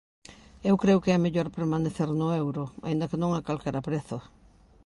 Eu creo que é mellor permanecer no euro, aínda que non a calquera prezo.